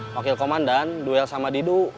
wakil komandan duel sama didu